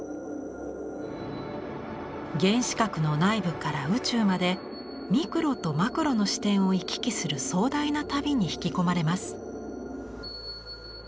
原子核の内部から宇宙までミクロとマクロの視点を行き来する壮大な旅に引き込まれます。